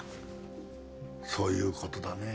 そういうことだね。